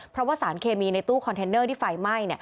เพราะว่าสารเคมีในตู้คอนเทนเนอร์ที่ไฟไหม้